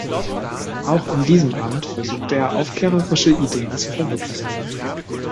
Auch in diesem Amt versuchte er, aufklärerische Ideen zu verwirklichen.